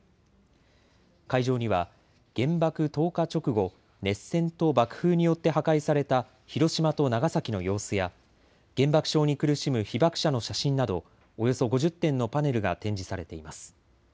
会場には原爆投下直後、熱線と爆風によって破壊された広島と長崎の様子や原爆症に苦しむ被爆者の写真などおよそ５０点のパネルが展示されています。